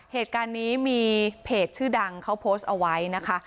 เหตุการณ์นี้มีเพจชื่อดังเขาโพสต์เอาไว้นะคะ